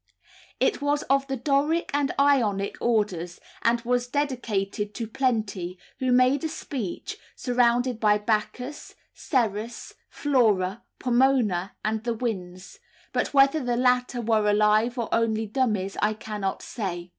It was of the Doric and Ionic orders, and was dedicated to Plenty, who made a speech, surrounded by Bacchus, Ceres, Flora, Pomona, and the Winds; but whether the latter were alive or only dummies, I cannot say.